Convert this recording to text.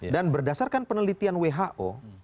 dan berdasarkan penelitian who